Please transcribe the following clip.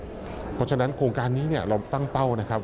เพราะฉะนั้นโครงการนี้เราตั้งเป้านะครับ